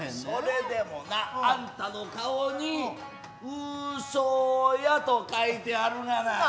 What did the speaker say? それでもなあんたの顔に嘘やと書いてあるがな。